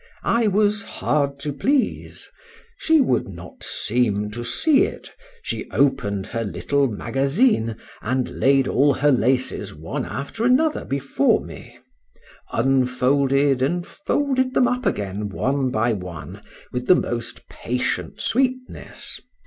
—I was hard to please: she would not seem to see it; she opened her little magazine, and laid all her laces one after another before me;—unfolded and folded them up again one by one with the most patient sweetness.